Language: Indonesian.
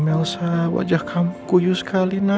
kita merasakan ketenangan itu